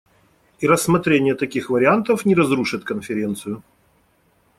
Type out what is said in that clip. И рассмотрение таких вариантов не разрушит Конференцию.